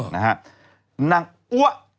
นางอั๊วะ